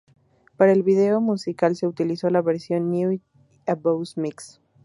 Para el video musical, se utilizó la versión "New Abuse Mix".